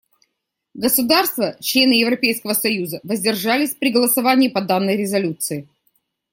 Государства — члены Европейского союза воздержались при голосовании по данной резолюции.